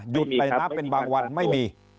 หยุดจ่ายน้ำเป็นบางวันไม่มี